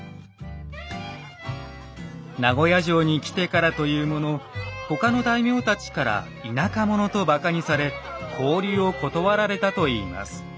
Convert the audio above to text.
名護屋城に来てからというもの他の大名たちから田舎者とばかにされ交流を断られたといいます。